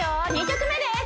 ２曲目です